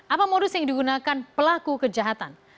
apa modus yang digunakan pelaku kejahatan